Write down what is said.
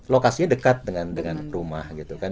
lokasinya dekat dengan rumah gitu kan